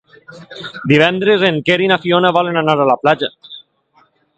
Divendres en Quer i na Fiona volen anar a la platja.